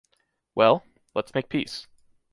Well! let’s make peace.